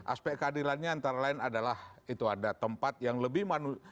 aspek keadilannya antara lain adalah itu ada tempat yang lebih manusia